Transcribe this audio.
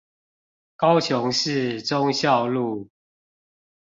高雄市忠孝路